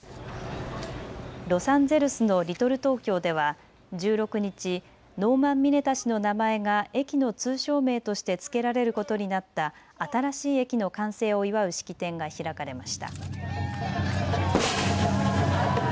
ロサンゼルスのリトル・トーキョーでは１６日、ノーマン・ミネタ氏の名前が駅の通称名として付けられることになった新しい駅の完成を祝う式典が開かれました。